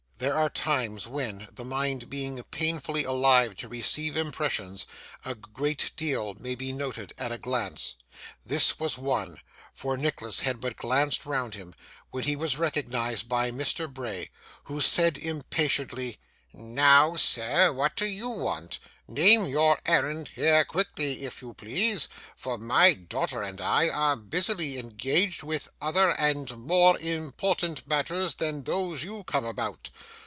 There are times when, the mind being painfully alive to receive impressions, a great deal may be noted at a glance. This was one, for Nicholas had but glanced round him when he was recognised by Mr. Bray, who said impatiently: 'Now, sir, what do you want? Name your errand here, quickly, if you please, for my daughter and I are busily engaged with other and more important matters than those you come about.